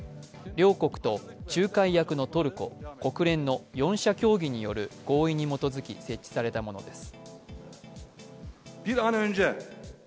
両国と仲介役のトルコ、国連の４者協議による合意に基づき設置されたものです。